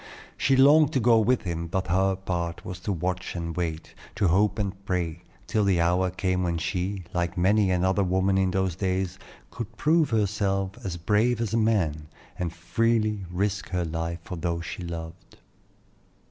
She longed to go with him; but her part was to watch and wait, to hope and pray, till the hour came when she, like many another woman in those days, could prove herself as brave as a man, and freely risk her life for those she loved.